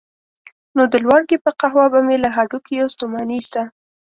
نو د لواړګي په قهوه به مې له هډوکیو ستوماني ایسته.